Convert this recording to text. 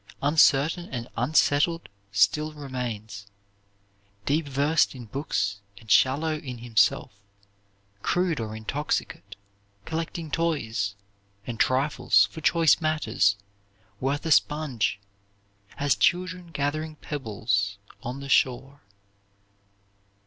. Uncertain and unsettled still remains, Deep versed in books and shallow in himself, Crude or intoxicate, collecting toys And trifles for choice matters, worth a sponge, As children gathering pebbles on the shore."